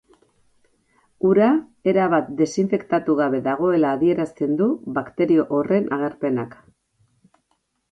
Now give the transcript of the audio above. Ura erabat desinfektatu gabe dagoela adierazten du bakterio horren agerpenak.